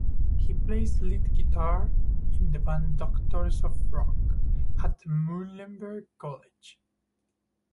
He plays lead guitar in the band Doctors of Rock at Muhlenberg College.